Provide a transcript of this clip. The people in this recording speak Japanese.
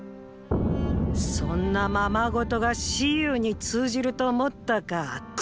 そんなままごとが蚩尤に通じると思ったかクソガキ。